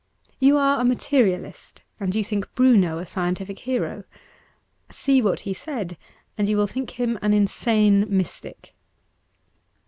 You are a Materialist, and you think Bruno a scientific hero. See what he said, and you v/ill think him an insane mystic.